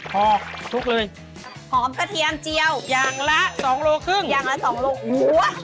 พอทุกเลยอ๋อหอมกระเทียมเจียวอย่างละ๒โลครึ่งอย่างละ๒โห